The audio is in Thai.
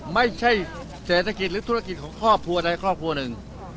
ไม่ใช่เศรษฐกิจหรือธุรกิจของครอบครัวใดครอบครัวหนึ่ง